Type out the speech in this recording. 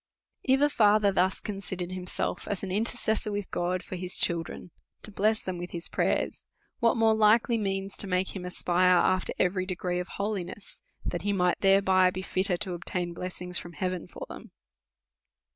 If a father thus considered himself as an intercessor with God for his children, to bless them with his pray ers, Avhat more likely means to make him aspire after eveiy degree of holiness, that he might thereby be fit ter to obtain blessings from heaven for them?